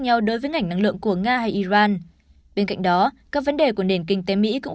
nhau đối với ngành năng lượng của nga hay iran bên cạnh đó các vấn đề của nền kinh tế mỹ cũng